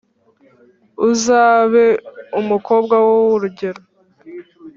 Uzabe umukobwa w’urugero